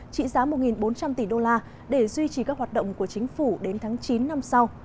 trị giá một bốn trăm linh tỷ đô la để duy trì các hoạt động của chính phủ đến tháng chín năm sau